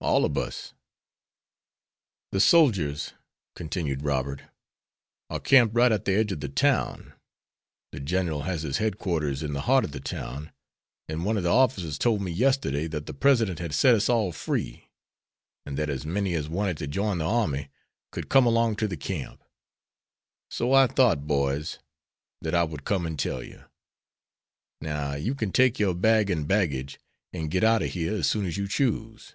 "All ob us." "The soldiers," continued Robert, "are camped right at the edge of the town. The General has his headquarters in the heart of the town, and one of the officers told me yesterday that the President had set us all free, and that as many as wanted to join the army could come along to the camp. So I thought, boys, that I would come and tell you. Now, you can take your bag and baggage, and get out of here as soon as you choose."